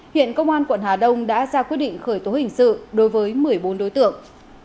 hiện công an quận hà đông đã ra quyết định khởi tố hình sự đối với một mươi bốn đối tượng